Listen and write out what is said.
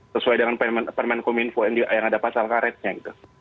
sesuai dengan permen kominfo yang ada pasal karetnya gitu